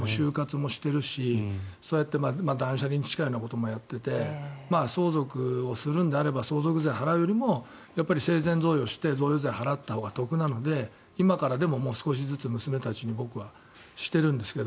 もしてるしそうやって断捨離に近いようなこともやってて相続をするのであれば相続税を払うよりも生前贈与をして贈与税払ったほうが得なので今からでも少しずつ娘たちに僕はしているんですが。